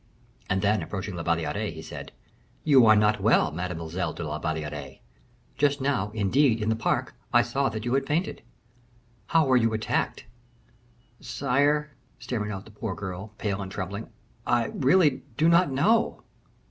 And then approaching La Valliere, he said, "You are not well, Mademoiselle de la Valliere? Just now, indeed, in the park, I saw that you had fainted. How were you attacked?" "Sire," stammered out the poor child, pale and trembling, "I really do not know."